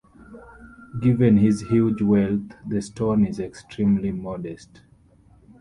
Given his huge wealth the stone is extremely modest.